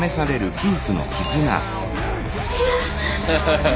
ハハハハ。